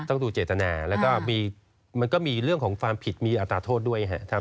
ต้องดูเจตนาแล้วก็มันก็มีเรื่องของความผิดมีอัตราโทษด้วยครับ